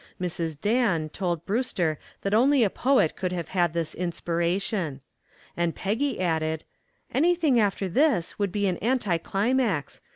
Mrs. Dan told Brewster that only a poet could have had this inspiration. And Peggy added, "Anything after this would be an anti climax.